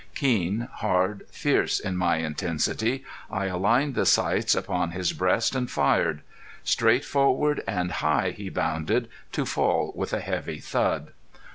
Keen, hard, fierce in my intensity, I aligned the sights upon his breast and fired. Straight forward and high he bounded, to fall with a heavy thud.